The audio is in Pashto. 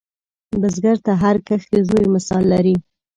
بزګر ته هر کښت د زوی مثال لري